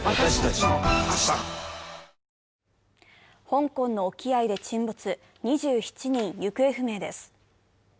香港の沖合で沈没、２７人行方不明です。